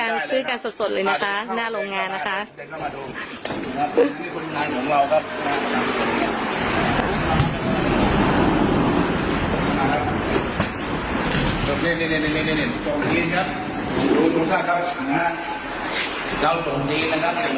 นี่คุณน้ายของเราครับ